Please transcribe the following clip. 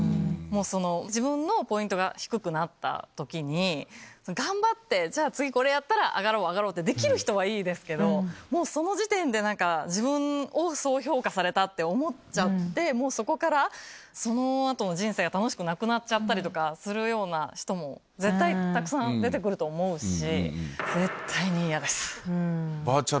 自分のポイントが低くなった時に頑張ってじゃあ次これやったら上がろう上がろうってできる人はいいですけどもうその時点で自分をそう評価されたって思っちゃってもうそこからその後の人生が楽しくなくなっちゃったりとかするような人も絶対たくさん出て来ると思うし。